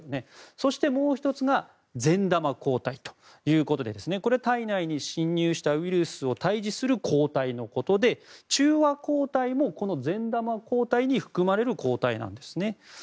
そして、もう１つが善玉抗体ということでこれは体内に侵入したウイルスを退治する抗体のことで中和抗体も、この善玉抗体に含まれる抗体なんですね。